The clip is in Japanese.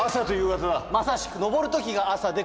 まさしく。